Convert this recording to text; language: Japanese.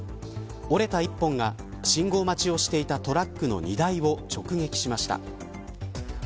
折れた１本が信号待ちをしていたトラックの荷台を直撃しました。